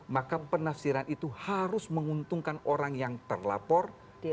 maka penafsiran itu harus menguntungkan orang yang terlapor